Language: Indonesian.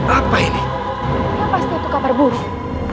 apa ini pasti itu kabar buruk